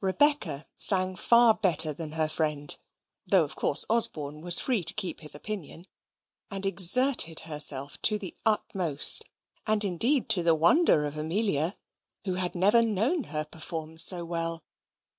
Rebecca sang far better than her friend (though of course Osborne was free to keep his opinion), and exerted herself to the utmost, and, indeed, to the wonder of Amelia, who had never known her perform so well.